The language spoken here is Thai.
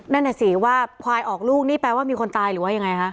นั่นน่ะสิว่าควายออกลูกนี่แปลว่ามีคนตายหรือว่ายังไงคะ